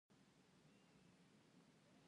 دا سکې د مختلفو دورو وې